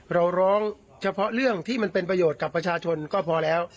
เราร้องเฉพาะเรื่องที่มันเป็นประโยชน์กับประชาชนก็พอแล้ว